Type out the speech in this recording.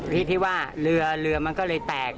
เพียงพิพิว่าเรือมันก็เลยแตก